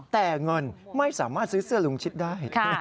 แต่เงินไม่สามารถซื้อเสื้อลุงชิดได้